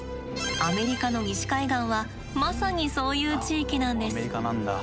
アメリカの西海岸はまさにそういう地域なんです。